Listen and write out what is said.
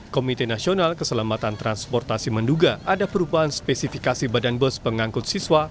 komite nasional keselamatan transportasi menduga ada perubahan spesifikasi badan bus pengangkut siswa